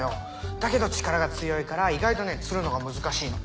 だけど力が強いから意外とね釣るのが難しいの。